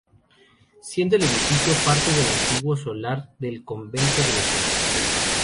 Siendo el edificio parte del antiguo solar del Convento de la Concepción.